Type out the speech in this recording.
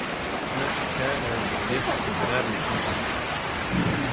ⵙⵏⴰⵜ ⵜⴽⴽⴰⵍ ⴰⴷ ⵖⵍⵉⵖ ⵙ ⵓⴷⵔⴰⵔ ⵏ ⴼⵓⵊⵉ.